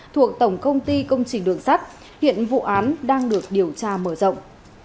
thuộc tổng công ty công trình đường sắt hiện vụ án đang được điều tra mở rộng